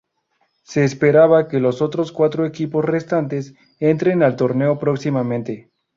Se espera que los otros cuatro equipos restantes, entren al torneo próximamente.